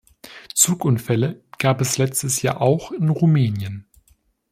Zugunfälle gab es letztes Jahr auch in Rumänien.